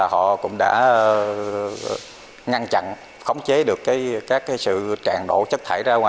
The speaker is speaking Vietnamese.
họ cũng đã ngăn chặn khống chế được các sự tràn đổ chất thải ra ngoài